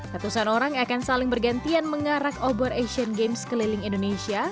ratusan orang akan saling bergantian mengarak obor asian games keliling indonesia